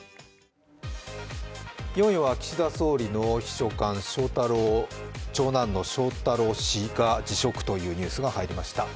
４位は岸田総理の秘書官、長男の翔太郎氏が辞職というニュースが入りました。